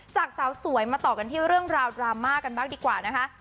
จากสาวสวยมาต่อกันที่เรื่องราวดราม่ากันบ้างดีกว่านะคะ